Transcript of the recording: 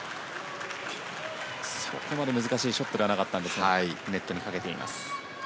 そこまで難しいショットではなかったんですがネットにかけています。